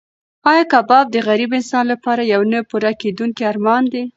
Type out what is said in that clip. ایا کباب د غریب انسان لپاره یو نه پوره کېدونکی ارمان دی؟